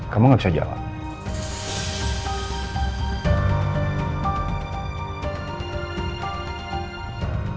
kamu gak bisa jawab